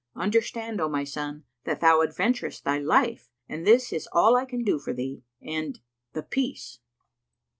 Understand, O my son, that thou adventurest thy life and this is all I can do for thee, and—the peace!"